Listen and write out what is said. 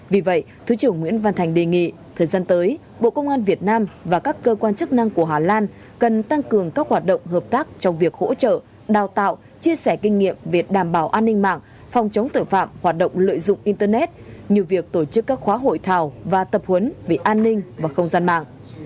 vì vậy thứ trưởng nguyễn văn thành đề nghị thời gian tới bộ công an việt nam và các cơ quan chức năng của hà lan cần tăng cường các hoạt động hợp tác trong việc hỗ trợ đào tạo chia sẻ kinh nghiệm về đảm bảo an ninh mạng phòng chống tội phạm hoạt động lợi dụng internet như việc tổ chức các khóa hội thảo và tập huấn về an ninh và không gian mạng